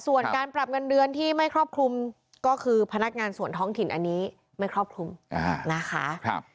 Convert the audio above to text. ส่วนการปรับเงินเดือนที่ไม่ครอบคลุมก็คือพนักงานส่วนท้องถิ่นอันนี้ไม่ครอบคลุมนะคะ